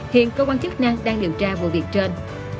hiện công an chức năng đang điều tra vụ việc trên